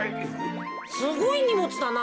すごいにもつだな。